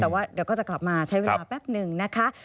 แต่ว่าเดี๋ยวก็จะกลับมาใช้เวลาแป๊บหนึ่งนะคะ